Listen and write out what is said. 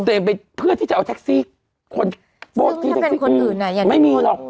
เตรียมไปเพื่อที่จะเอาแท็กซี่คนซึ่งถ้าเป็นคนอื่นอ่ะไม่มีหรอก